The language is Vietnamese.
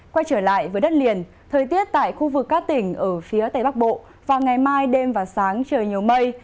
quay trở lại với đất liền thời tiết tại khu vực các tỉnh ở phía tây bắc bộ vào ngày mai đêm và sáng trời nhiều mây